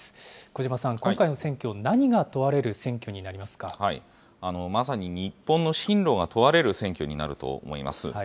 小嶋さん、今回の選挙、何が問わまさに日本の針路が問われる選挙になると思います。